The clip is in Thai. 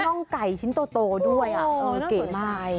แล้วก็น่องไก่ชิ้นโตด้วยอ่ะเก่งมาก